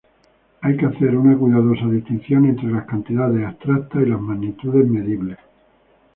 Hay que hacer una cuidadosa distinción entre las "cantidades abstractas" y las "magnitudes medibles".